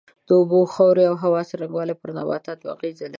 د اوبو، خاورې او هوا څرنگوالی پر نباتاتو اغېز لري.